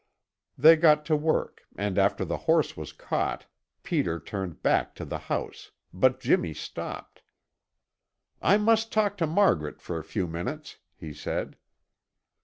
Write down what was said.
They got to work and after the horse was caught, Peter turned back to the house, but Jimmy stopped. "I must talk to Margaret for a few minutes," he said.